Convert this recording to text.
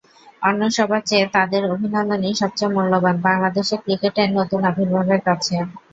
অন্য সবার চেয়ে তাঁদের অভিনন্দনই সবচেয়ে মূল্যবান বাংলাদেশের ক্রিকেটের নতুন আবির্ভাবের কাছে।